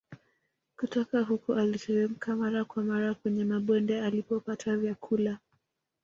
Kutoka huko aliteremka mara kwa mara kwenye mabonde alipopata vyakula